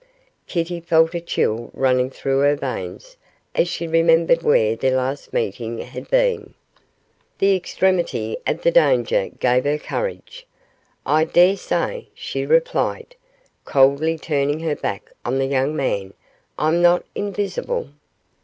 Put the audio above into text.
Kitty felt a chill running through her veins as she remembered where their last meeting had been. The extremity of the danger gave her courage. 'I dare say,' she replied, coldly turning her back on the young man, 'I'm not invisible.